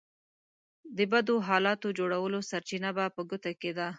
د بدو حالاتو جوړولو سرچينه به په ګوته کېده.